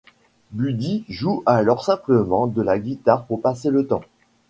Buddy joue alors simplement de la guitare pour passer le temps.